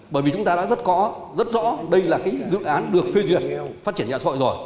bởi vì chúng ta đã rất có rất rõ đây là cái dự án được phê duyệt phát triển nhà xã hội rồi